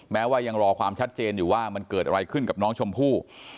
แม้ว่ายังรอความชัดเจนอยู่ว่ามันเกิดอะไรขึ้นกับน้องชมพู่